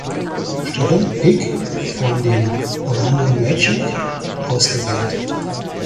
Stelle (Pick) von den Orlando Magic ausgewählt.